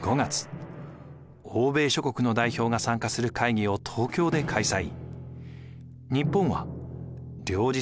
欧米諸国の代表が参加する会議を東京で開催。